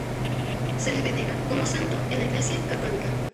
Se le venera como santo en la Iglesia Católica.